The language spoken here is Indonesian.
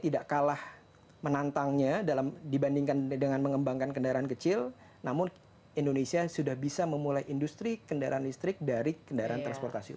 tidak kalah menantangnya dibandingkan dengan mengembangkan kendaraan kecil namun indonesia sudah bisa memulai industri kendaraan listrik dari kendaraan transportasi umum